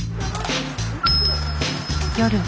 夜。